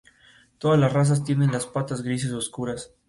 Todas las razas tienen las patas grises oscuras.